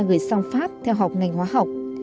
đã gửi sang pháp theo học ngành hóa học